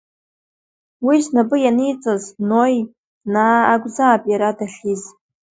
Уи знапы ианиҵаз Нои, Наа акәзаап иара дахьиз.